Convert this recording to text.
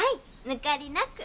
ぬかりなく。